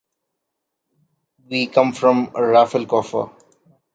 We come from Rafelcofer.